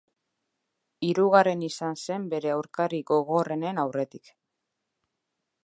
Hirugarren izan zen bere aurkari gogorrenen aurretik.